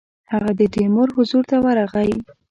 هغه د تیمور حضور ته ورغی.